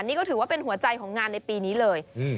นี่ก็ถือว่าเป็นหัวใจของงานในปีนี้เลย